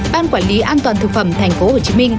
ban quản lý an toàn thực phẩm thành phố hồ chí minh